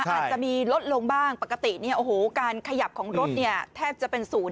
อาจจะมีรถลงบ้างปกติการขยับของรถแทบจะเป็นศูนย์